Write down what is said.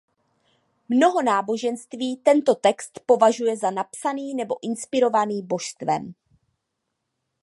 Mnoho náboženství tento text považuje za napsaný nebo inspirovaný božstvem.